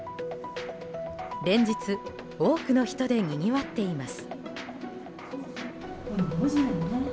連日多くの人でにぎわっています。